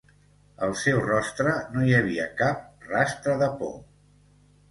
El seu rostre no hi havia cap rastre de por.